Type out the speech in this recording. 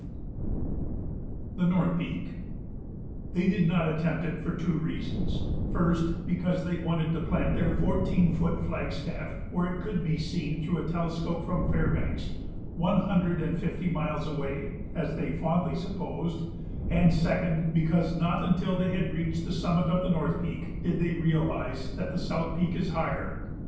[Sidenote: The North Peak] They did not attempt it for two reasons, first, because they wanted to plant their fourteen foot flagstaff where it could be seen through a telescope from Fairbanks, one hundred and fifty miles away, as they fondly supposed, and, second, because not until they had reached the summit of the North Peak did they realize that the South Peak is higher.